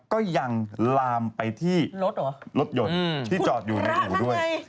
ก็ยังลามไปที่รถเหรอรถยนต์ที่จอดอยู่ในอู่ด้วย